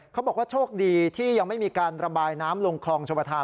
เขาบอกว่าโชคดีที่ยังไม่มีการระบายน้ำลงคลองชมประธาน